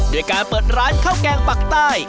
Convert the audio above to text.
ด้วยการเปิดร้านข้าวแกงปักใต้